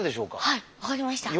はい分かりました。